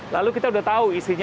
lalu kita sudah tahu ini berapa harga